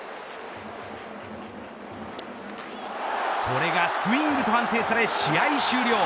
これがスイングと判定され試合終了。